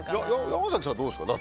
山崎さん、どうですか？